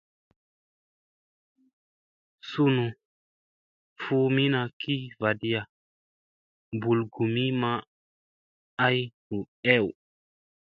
Sunu fuumina ki vaɗiya mɓulgumi maa ay hu ew.